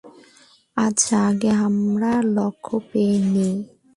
আচ্ছা, আগে আমার লক্ষ্য পেয়ে নিই।